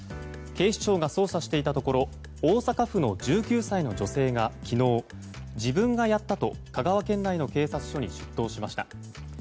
警視庁が捜査していたところ大阪府の１９歳の女性が昨日、自分がやったと香川県内の警察署に出頭しました。